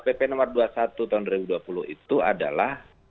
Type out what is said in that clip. pp nomor dua puluh satu tahun dua ribu dua puluh itu adalah